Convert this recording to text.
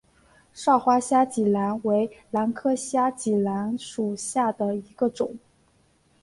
少花虾脊兰为兰科虾脊兰属下的一个种。